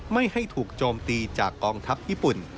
ไม่ให้ถูกโจมตีจากกองทัพญี่ปุ่น